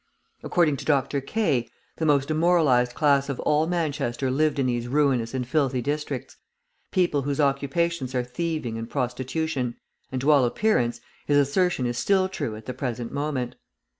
According to Dr. Kay, the most demoralised class of all Manchester lived in these ruinous and filthy districts, people whose occupations are thieving and prostitution; and, to all appearance, his assertion is still true at the present moment.